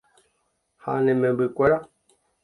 Ha ne membykuéra.